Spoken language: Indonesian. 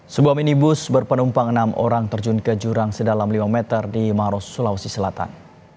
sebuah minibus berpenumpang enam orang terjun ke jurang sedalam lima meter di maros sulawesi selatan